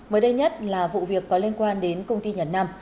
mới đây nhất là vụ việc có liên quan đến công ty nhẩn năm